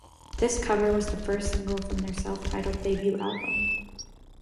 This cover was the first single from their self-titled debut album.